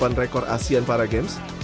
yaitu delapan rekor asean paragames